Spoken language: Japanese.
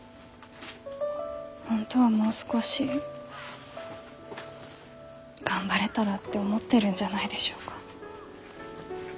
本当はもう少し頑張れたらって思ってるんじゃないでしょうか？